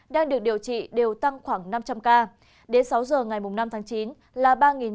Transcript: đang được điều trị đều tăng khoảng năm trăm linh ca đến sáu giờ ngày năm tháng chín là ba một trăm linh sáu